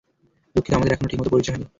দুঃখিত, আমাদের এখনও ঠিকমত পরিচয় হয়নি।